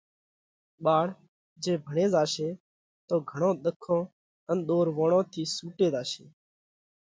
ٻاۯ جي ڀڻي زاشي تو گھڻون ۮکون ان ۮورووڻون ٿِي سُوٽي زاشي۔